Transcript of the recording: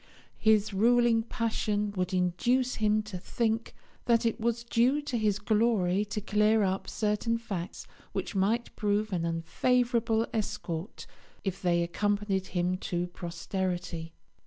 His ruling passion would induce him to think that it was due to his glory to clear up certain facts which might prove an unfavourable escort if they accompanied him to posterity.